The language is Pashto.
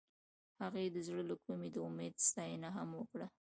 هغې د زړه له کومې د امید ستاینه هم وکړه.